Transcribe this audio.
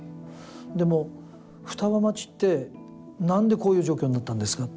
でも、双葉町って何でこういう状況になったんですか。